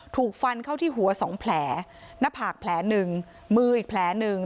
ถูกฟันเข้าที่หัวสองแผลหน้าผากแผลหนึ่งมืออีกแผลหนึ่ง